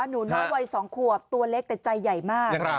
หนูน้อยวัย๒ขวบตัวเล็กแต่ใจใหญ่มาก